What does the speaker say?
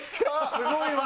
すごい技。